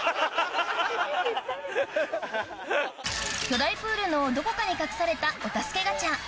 巨大プールのどこかに隠されたお助けガチャ